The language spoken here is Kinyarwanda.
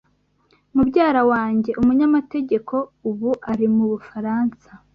Mubyara wanjye, umunyamategeko, ubu ari mu Bufaransa